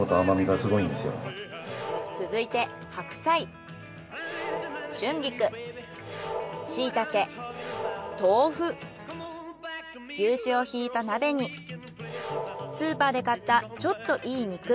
続いて牛脂をひいた鍋にスーパーで買ったちょっといい肉。